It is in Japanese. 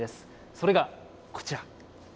それがこちら。